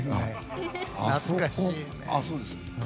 懐かしいね。